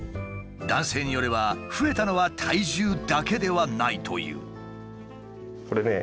男性によれば増えたのは体重だけではないという。